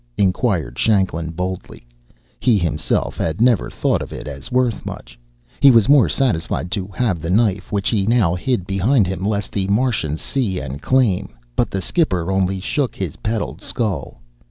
inquired Shanklin boldly. He himself had never thought of it as worth much. He was more satisfied to have the knife, which he now hid behind him lest the Martians see and claim. But the skipper only shook his petalled skull.